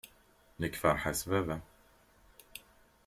Nekk feṛḥeɣ s baba.